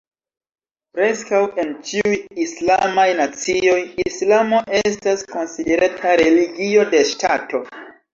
Preskaŭ en ĉiuj islamaj nacioj, Islamo estas konsiderata religio de ŝtato.